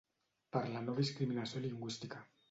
Per la no discriminació lingüística.